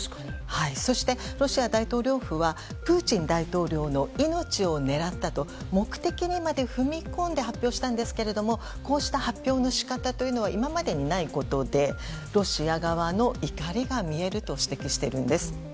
そしてロシア大統領府はプーチン大統領の命を狙ったと目的にまで踏み込んで発表したんですがこうした発表の仕方というのは今までにないことでロシア側の怒りが見えると指摘しているんです。